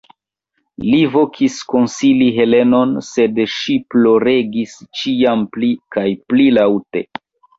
Li volis konsoli Helenon, sed ŝi ploregis ĉiam pli kaj pli laŭte.